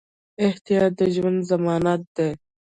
احتیاط د ژوند ضمانت دی.